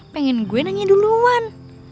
pengen gue nanya duluan